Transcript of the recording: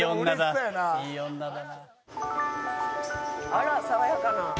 「あら爽やかな」